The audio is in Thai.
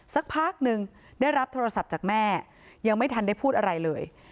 สักพักหนึ่งได้รับโทรศัพท์จากแม่ยังไม่ทันได้พูดอะไรเลย